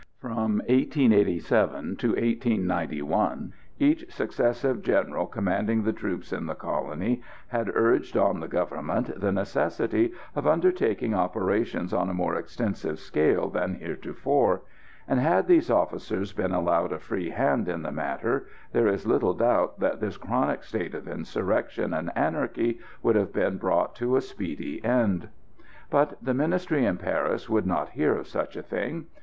From 1887 to 1891 each successive General commanding the troops in the colony had urged on the Government the necessity of undertaking operations on a more extensive scale than heretofore; and had these officers been allowed a free hand in the matter, there is little doubt that this chronic state of insurrection and anarchy would have been brought to a speedy end. But the Ministry in Paris would not hear of such a thing.